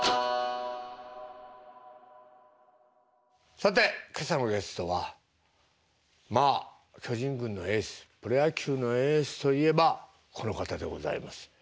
さて今朝のゲストはまあ巨人軍のエースプロ野球のエースといえばこの方でございます。